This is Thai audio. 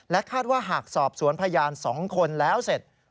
คาดว่าหากสอบสวนพยาน๒คนแล้วเสร็จ